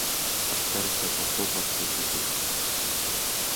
Талх тариатай бол дуу хууртай гэж ярих.